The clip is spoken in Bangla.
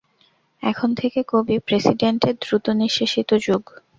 এখন থেকে কবি-প্রেসিডেণ্টের দ্রুতনিঃশেষিত যুগ।